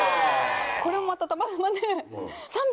これもまたたまたまで。